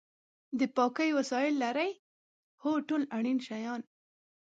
د پاکۍ وسایل لرئ؟ هو، ټول اړین شیان